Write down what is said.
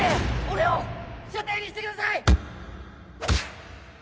俺を舎弟にしてください！